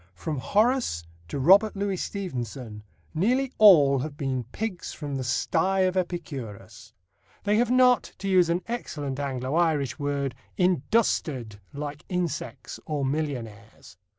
From Horace to Robert Louis Stevenson, nearly all have been pigs from the sty of Epicurus. They have not, to use an excellent Anglo Irish word, "industered" like insects or millionaires.